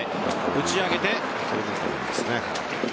打ち上げて。